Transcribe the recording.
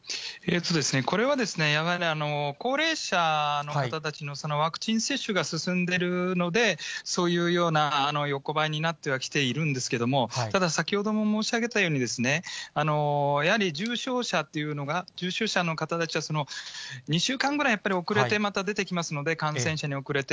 これはですね、高齢者の方たちのワクチン接種が進んでるので、そういうような横ばいになってはきているんですけれども、ただ先ほども申し上げたように、やはり重症者というのが、重症者の方たちは、２週間ぐらい遅れて出てきますので、感染者に遅れて。